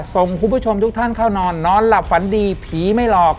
ส่งคุณผู้ชมทุกท่านเข้านอนนอนหลับฝันดีผีไม่หลอก